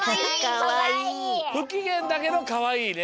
ふきげんだけどかわいいね。